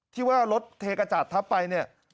ที่ว่ารถเทกจาดทรัพย์ไปเนี่ย